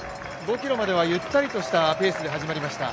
５ｋｍまではゆったりとしたペースで始まりました。